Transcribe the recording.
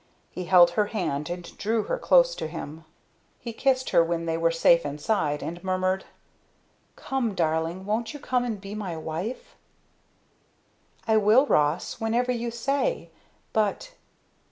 He held her hand and drew her close to him. He kissed her when they were safe inside, and murmured: "Come, darling won't you come and be my wife?" "I will, Ross whenever you say but